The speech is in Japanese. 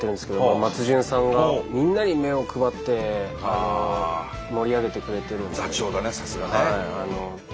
松潤さんがみんなに目を配って盛り上げてくれてるんで。